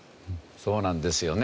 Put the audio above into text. そうなんですよね。